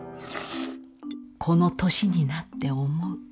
この年になって思う。